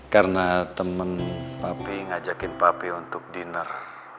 karena temen papi ngajakin papi untuk dinner